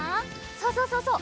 そうそうそうそう。